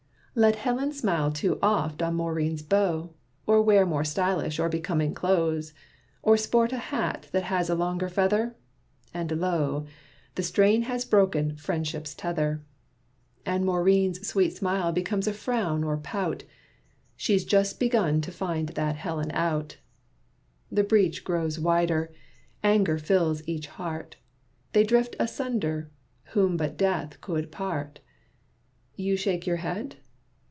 Let Helen smile too oft on Maurine's beaux, Or wear more stylish or becoming clothes, Or sport a hat that has a longer feather And lo! the strain has broken 'friendship's tether.' Maurine's sweet smile becomes a frown or pout; 'She's just begun to find that Helen out' The breach grows wider anger fills each heart; They drift asunder, whom 'but death could part.' You shake your head?